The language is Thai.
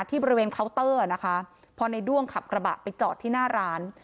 ที่บริเวณเคาน์เตอร์นะคะพอในด้วงขับกระบะไปจอดที่หน้าร้าน